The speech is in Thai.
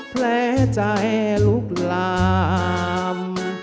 แพร่ใจลูกลาม